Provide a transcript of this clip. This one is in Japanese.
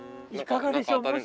いかがでしょう？